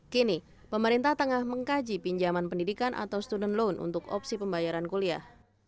kini pemerintah tengah mengkaji pinjaman pendidikan atau student loan untuk opsi pembayaran kuliah